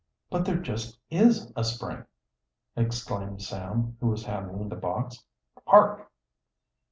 "But there just is a spring!" exclaimed Sam, who was handling the box. "Hark!"